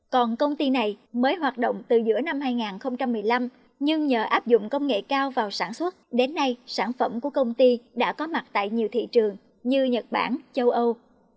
còn công ty này mới hoạt động từ giữa năm hai nghìn một mươi năm nhưng nhờ áp dụng công nghệ cao vào sản xuất đến nay sản phẩm của công ty đã có mặt tại nhiều thị trường như nhật bản châu âu